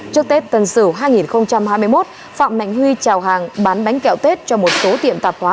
trước tết tân sửu hai nghìn hai mươi một phạm mạnh huy trào hàng bán bánh kẹo tết cho một số tiệm tạp hóa